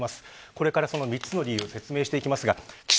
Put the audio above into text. これからその理由を説明していきます。